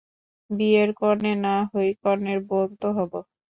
বিয়ের কনে না হই কনের বোন তো হব।